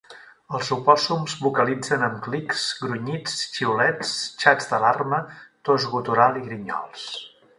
Els opòssums vocalitzen amb clics, grunyits, xiulets, xats d'alarma, tos gutural i grinyols.